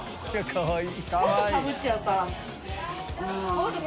かわいい。